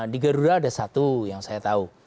di garuda ada satu yang saya tahu